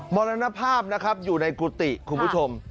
มรนภาพอยู่ในกุฏิคุณผู้ชม